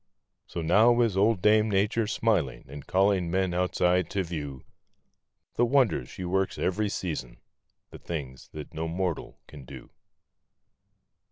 So now is old Dame Nature smiling and calling men outside to view The wonders she works every season—the things that no mortal can do.